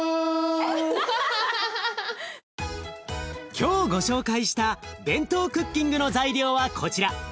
今日ご紹介したＢＥＮＴＯクッキングの材料はこちら。